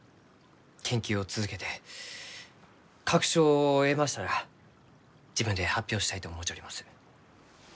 研究を続けて確証を得ましたら自分で発表したいと思うちょります。